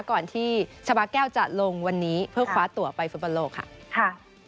ก่อนที่ชาบาแก้วจะลงวันนี้เพื่อคว้าตัวไปฟุตบอลโลกค่ะ